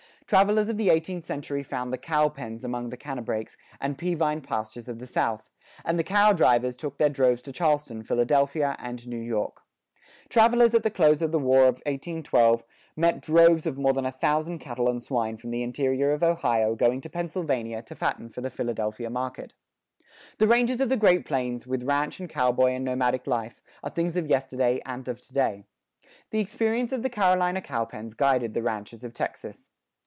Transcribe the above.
Travelers of the eighteenth century found the "cowpens" among the canebrakes and peavine pastures of the South, and the "cow drivers" took their droves to Charleston, Philadelphia, and New York.[16:1] Travelers at the close of the War of 1812 met droves of more than a thousand cattle and swine from the interior of Ohio going to Pennsylvania to fatten for the Philadelphia market.[16:2] The ranges of the Great Plains, with ranch and cowboy and nomadic life, are things of yesterday and of to day. The experience of the Carolina cowpens guided the ranchers of Texas.